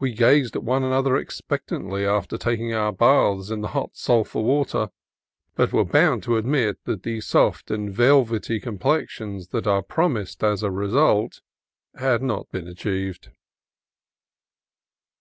We gazed at one another expectantly after taking our baths in the hot sulphur water, but were bound to admit that the soft and velvety com plexions that are promised as a result had not been achieved.